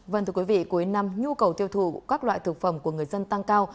vâng thưa quý vị cuối năm nhu cầu tiêu thụ các loại thực phẩm của người dân tăng cao